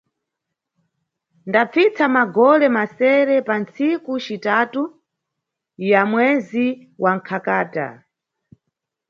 Ndapfitsa magole masere pa ntsiku citatu ya mwezi wa Nkakata